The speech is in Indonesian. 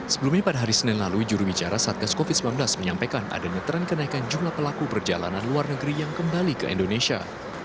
sebelumnya pada hari senin lalu jurubicara satgas covid sembilan belas menyampaikan adanya tren kenaikan jumlah pelaku perjalanan luar negeri yang kembali ke indonesia